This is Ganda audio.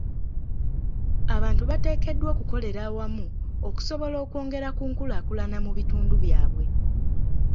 Abantu bateekeddwa okukolera awamu okusobola okwongera ku nkulaakulana mu bitundu byabwe.